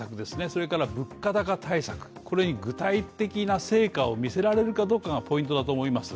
それから物価高対策、これに具体的な成果を見せられるかどうかがポイントだと思います。